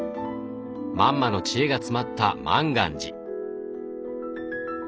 マンマの知恵が詰まった万願寺。